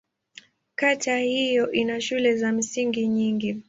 Kata hiyo ina shule za msingi nyingi.